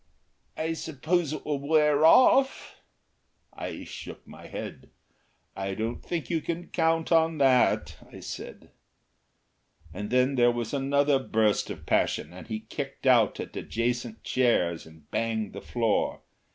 "I suppose it will wear off?" I shook my head. "I don't think you can count on that," I said. And then there was another burst of passion, and he kicked out at adjacent chairs and banged the floor.